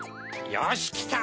よしきた。